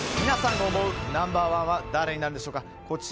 皆さんが思うナンバー１は誰になるんでしょうか。